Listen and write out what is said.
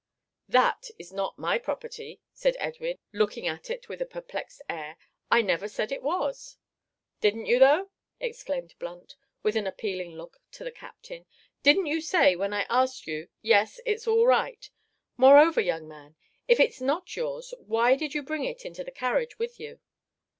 "That is not my property," said Edwin, looking at it with a perplexed air, "I never said it was." "Didn't you though?" exclaimed Blunt, with an appealing look to the captain. "Didn't you say, when I asked you, `Yes, it's all right.' Moreover, young man, if it's not yours, why did you bring it into the carriage with you?"